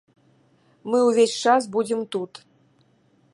Мы ўвесь час будзем тут.